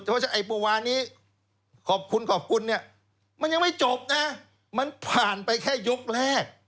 เพราะฉะนั้นไอ้เมื่อวานนี้ขอบคุณขอบคุณเนี่ยมันยังไม่จบนะมันผ่านไปแค่ยกแรก